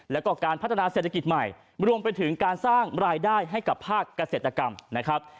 แล้วก็การพัฒนาเศรษฐกิจใหม่รวมไปถึงการสร้างรายได้ให้กับภาคเกษตรกรรมนะครับ